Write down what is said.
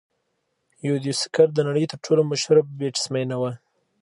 یوديوسکر د نړۍ تر ټولو مشهوره بیټسمېنه وه.